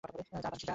যা বানশি, যা!